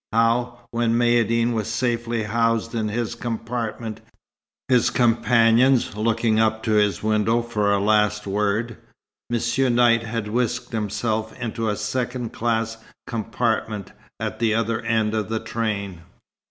How, when Maïeddine was safely housed in his compartment, his companions looking up to his window for a last word, Monsieur Knight had whisked himself into a second class compartment at the other end of the train.